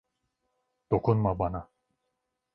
Dokunma bana.